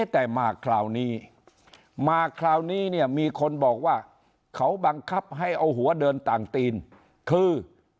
แต่มาคราวนี้มาคราวนี้เนี่ยมีคนบอกว่าเขาบังคับให้เอาหัวเดินต่างตีนคือ